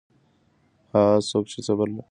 هغه څوک چې صبر لري بریالی کیږي.